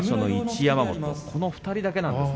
山本この２人だけなんですね